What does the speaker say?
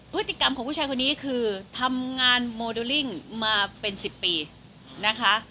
พฤติกรรมของผู้ชายคนนี้คือทำงานโมเดลลิ่งมาเป็น๑๐ปีนะคะ